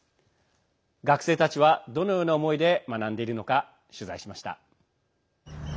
学生たちはどのような思いで学んでいるのか、取材しました。